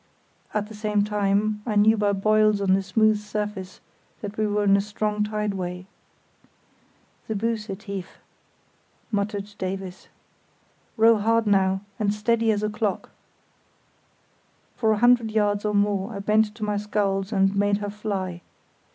At the same time, I knew by boils on the smooth surface that we were in a strong tideway. "The Buse Tief," [See Chart B] muttered Davies. "Row hard now, and steady as a clock." For a hundred yards or more I bent to my sculls and made her fly.